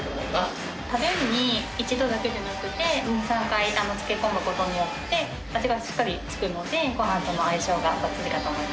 タレに１度だけでなくて２３回漬け込むことによって味がしっかり付くのでご飯との相性がバッチリだと思います。